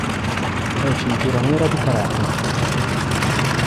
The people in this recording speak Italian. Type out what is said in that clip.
È cintura nera di karate.